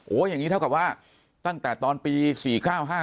โหยังนี้ตั้งแต่ตอนปี๔๙๕๐